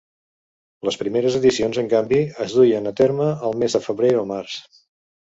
Les primeres edicions, en canvi, es duien a terme al mes de febrer o març.